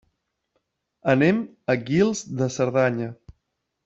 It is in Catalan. Anem a Guils de Cerdanya.